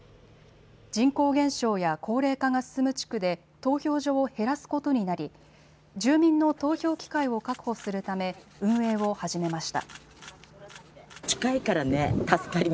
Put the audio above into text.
人口減少や高齢化が進む地区で投票所を減らすことになり住民の投票機会を確保するため運営を始めました。